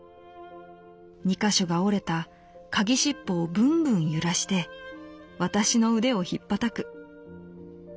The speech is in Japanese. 二か所が折れたカギしっぽをぶんぶん揺らして私の腕をひっぱたく。